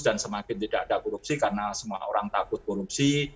dan semakin tidak ada korupsi karena semua orang takut korupsi